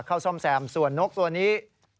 ซ่อมแซมส่วนนกตัวนี้